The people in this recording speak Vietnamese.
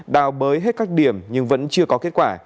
đào bới hết các điểm nhưng vẫn chưa có kết quả